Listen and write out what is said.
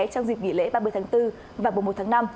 trong dịp nghỉ lễ ba mươi tháng bốn và mùa một tháng năm